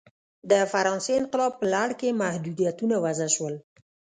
د فرانسې انقلاب په لړ کې محدودیتونه وضع شول.